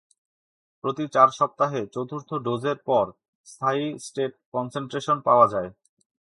প্রতি চার সপ্তাহে, চতুর্থ ডোজের পর স্থায়ী স্টেট কনসেনট্রেশন পাওয়া যায়।